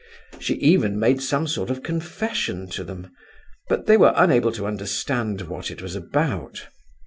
She even made some sort of confession to them, but they were unable to understand what it was about.